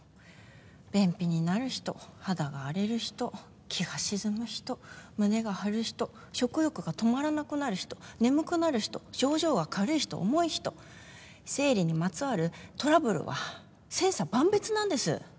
便秘になる人、肌が荒れる人気が沈む人、胸が張る人食欲が止まらなくなる人眠くなる人症状が軽い人、重い人生理にまつわるトラブルは千差万別なんです。